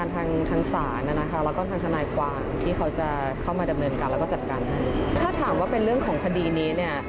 ถ้าถามว่าเป็นเรื่องของคดีนี้เนี่ย